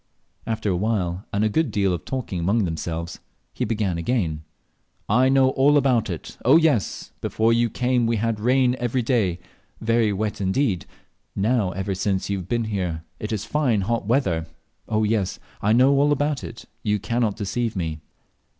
After a little while, and a good deal of talking among themselves, he began again "I know all about it oh yes! Before you came we had rain every day very wet indeed; now, ever since you have been here, it is fine hot weather. Oh, yes! I know all about it; you can't deceive me."